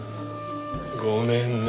ごめんね。